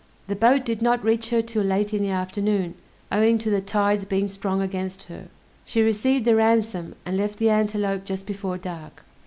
The boat did not reach her 'till late in the afternoon, owing to the tide's being strong against her. She received the ransom and left the Antelope just before dark.